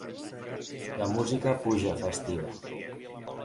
La música puja festiva.